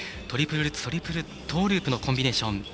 トリプルルッツトリプルトーループのコンビネーション。